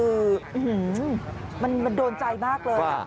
คือมันโดนใจมากเลย